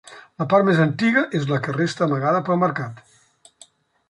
La part més antiga és la que resta amagada pel mercat.